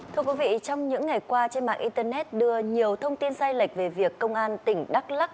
thưa quý vị trong những ngày qua trên mạng internet đưa nhiều thông tin sai lệch về việc công an tỉnh đắk lắc